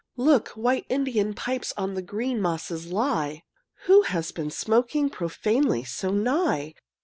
Look! white Indian pipes On the green mosses lie! Who has been smoking Profanely so nigh?